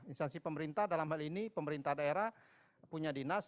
instansi pemerintah dalam hal ini pemerintah daerah punya dinas